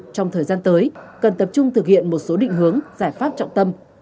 trong thời gian tới cần tập trung thực hiện một số định hướng giải pháp trọng tâm